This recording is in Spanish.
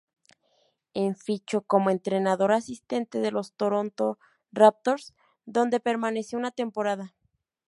En fichó como entrenador asistente de los Toronto Raptors, donde permaneció una temporada.